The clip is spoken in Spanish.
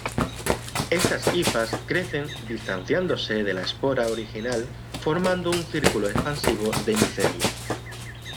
Estas hifas crecen distanciándose de la espora original, formando un círculo expansivo de micelio.